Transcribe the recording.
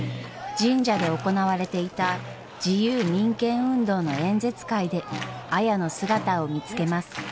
神社で行われていた自由民権運動の演説会で綾の姿を見つけます。